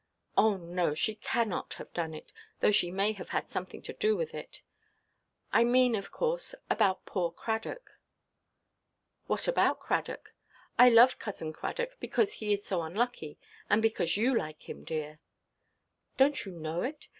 "Oh no, she cannot have done it, though she may have had something to do with it. I mean, of course, about poor Cradock." "What about Cradock? I love Cousin Cradock, because he is so unlucky; and because you like him, dear." "Donʼt you know it?